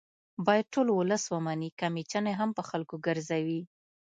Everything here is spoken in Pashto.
باید ټول ولس ومني که میچنې هم په خلکو ګرځوي